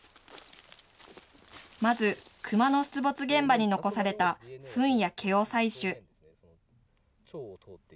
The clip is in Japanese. まず、クマの出没現場に残されたふんや毛を採取。